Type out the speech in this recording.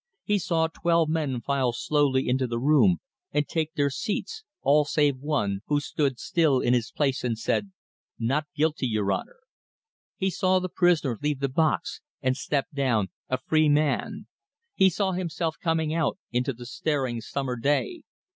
He saw twelve men file slowly into the room and take their seats all save one, who stood still in his place and said: "Not guilty, your Honour!" He saw the prisoner leave the box and step down a free man. He saw himself coming out into the staring summer day.